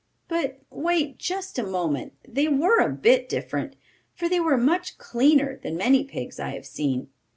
But wait just a moment. They were a bit different, for they were much cleaner than many pigs I have seen.